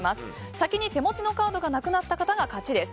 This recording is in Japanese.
先に手持ちのカードがなくなった方が勝ちです。